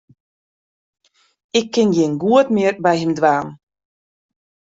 Ik kin gjin goed mear by him dwaan.